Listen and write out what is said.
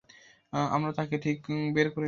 আমরা তাকে ঠিক বের করে আনবো।